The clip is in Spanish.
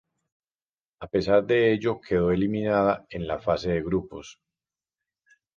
A pesar de ello quedó eliminada en la fase de grupos.